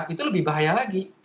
itu lebih bahaya lagi